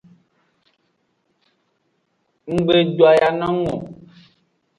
Nggbe doyanung o.